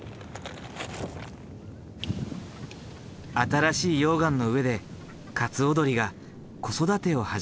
新しい溶岩の上でカツオドリが子育てを始めている。